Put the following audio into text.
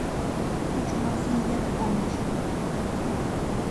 Kuchuman siillata tanqashun.